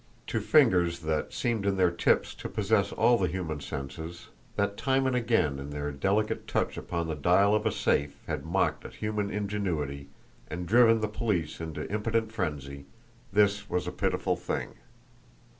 To fingers that seemed in their tips to possess all the human senses, that time and again in their delicate touch upon the dial of a safe had mocked at human ingenuity and driven the police into impotent frenzy, this was a pitiful thing.